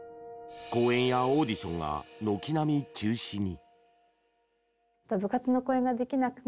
公演やオーディションが軒並み中止に。